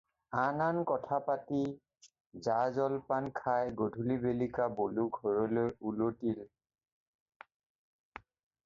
আন আন কথা পাতি, জা-জলপান খাই গধূলি বেলিকা বলো ঘৰলৈ উলটিল।